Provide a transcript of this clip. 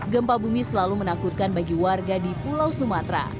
gempa bumi selalu menakutkan bagi warga di pulau sumatera